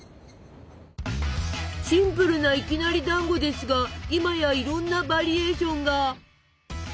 シンプルないきなりだんごですが今やいろんなバリエーションが！